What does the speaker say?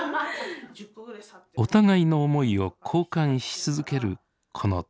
お互いの思いを交換し続けるこの対話。